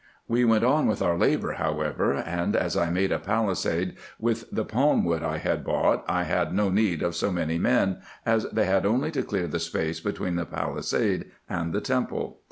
We went on with our labour, however, and, as I made a palisade with the palm wood I had bought, I had no need of so many men, as they had only to clear the space between the palisade and the temple.